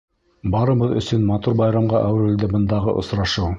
Барыбыҙ өсөн матур байрамға әүерелде бындағы осрашыу.